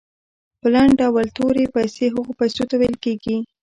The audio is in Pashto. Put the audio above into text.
په لنډ ډول تورې پیسې هغو پیسو ته ویل کیږي.